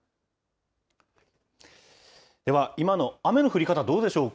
では今の雨の降り方、どうでしょうか。